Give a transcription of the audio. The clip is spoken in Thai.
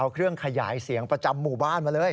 เอาเครื่องขยายเสียงประจำหมู่บ้านมาเลย